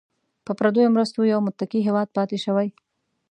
په پردیو مرستو یو متکي هیواد پاتې شوی.